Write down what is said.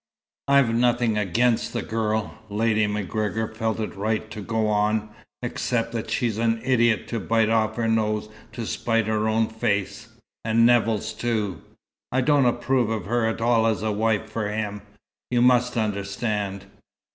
"I've nothing against the girl," Lady MacGregor felt it right to go on, "except that she's an idiot to bite off her nose to spite her own face and Nevill's too. I don't approve of her at all as a wife for him, you must understand.